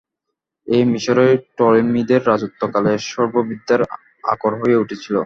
এই মিসরই টলেমীদের রাজত্বকালে সর্ববিদ্যার আকর হয়ে উঠেছিল।